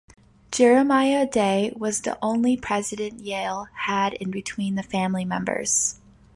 Jeremiah Day was the only president Yale had in between the family members.